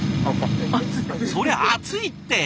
そりゃ熱いって！